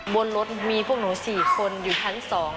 บนรถมีพวกหนู๔คนอยู่ชั้น๒